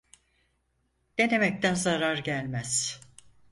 Denemekten zarar gelmez.